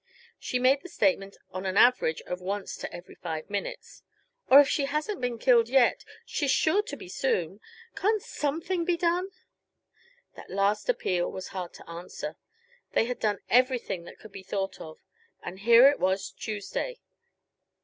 She made the statement on an average of once to every five minutes. "Or, if she hasn't been killed yet, she's sure to be soon. Can't something be done?" That last appeal was hard to answer. They had done everything that could be thought of. And here it was Tuesday.